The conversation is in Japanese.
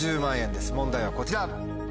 問題はこちら。